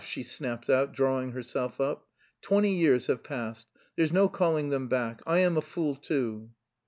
she snapped out, drawing herself up. "Twenty years have passed, there's no calling them back. I am a fool too."